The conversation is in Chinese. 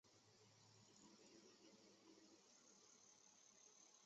犯人还需要戴上竖长圆锥形帽子。